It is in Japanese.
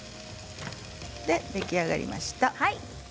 出来上がりました。